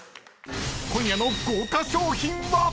［今夜の豪華賞品は⁉］